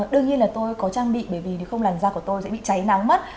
đương nhiên là tôi có trang bị bởi vì không làn da của tôi sẽ bị cháy nắng mất